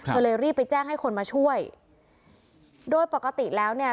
เลยรีบไปแจ้งให้คนมาช่วยโดยปกติแล้วเนี่ย